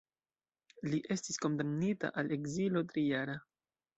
Li estis kondamnita al ekzilo trijara.